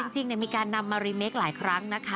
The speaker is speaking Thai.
จริงมีการนำมารีเมคหลายครั้งนะคะ